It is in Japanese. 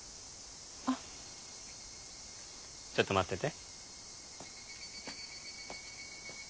ちょっと待ってて。